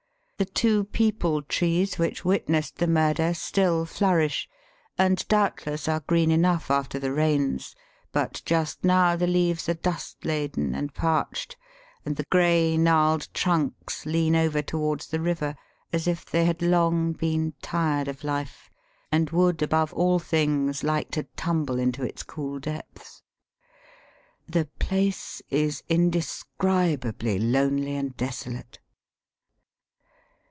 The two peepul trees which witnessed the murder stiU flourish, and doubtless are green enough after the rains ; but just now the leaves are dust laden and parched, and the grey, gnarled trunks lean over towards the river as if they had long been tired of life, and would above all things like to tumble into its cool depths. The place is indescribably lonely and deso late.